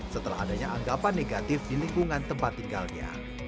setelah adanya anggapan negatif di lingkungan tempat tinggalnya